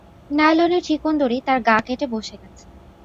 নাইলনের চিকন দড়ি তার গা কেটে বসে গেছে।